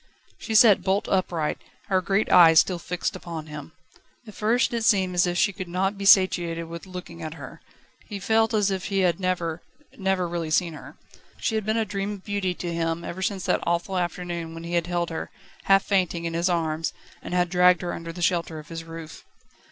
She sat bolt upright, her great eyes still fixed upon him. At first it seemed as if he could not be satiated with looking at her; he felt as if he had never, never really seen her. She had been a dream of beauty to him ever since that awful afternoon when he had held her, half fainting, in his arms, and had dragged her under the shelter of his roof.